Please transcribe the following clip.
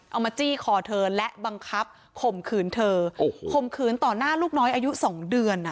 มาจี้คอเธอและบังคับข่มขืนเธอโอ้โหข่มขืนต่อหน้าลูกน้อยอายุสองเดือนอ่ะ